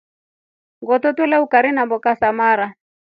Ngoto twelya ukari namboka za mara.